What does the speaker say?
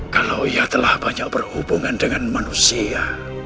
kalau ia telah banyak berhubungan dengan manusia